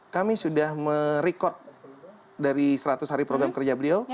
kami sudah merekod dari seratus hari program kerja beliau